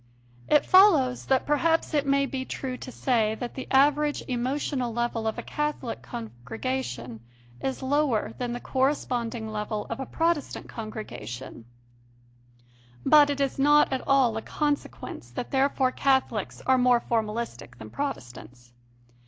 It follows that perhaps it may be true to say that the average emotional level of a Catholic congregation is lower than the correspond ing level of a Protestant congregation, but it is not at all a consequence that therefore Catholics are more formalistic than Protestants.